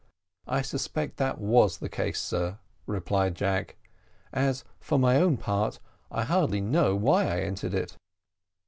"I suspect that was the case, sir," replied Jack; "as for my own part, I hardly know why I entered it."